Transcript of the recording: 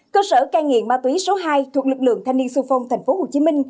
cơ sở ca nghiện ma túy số hai thuộc lực lượng thanh niên xuân phong tp hcm